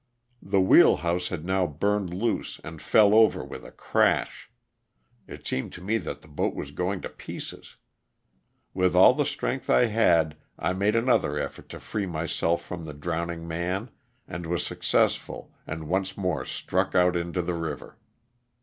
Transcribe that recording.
The wheel house had now burned loose and fell over with a crash. It seemed to me that the boat was going to pieces. With all the strength I had I made another effort to free myself from the drowning man and was successful and once more struck out into the river.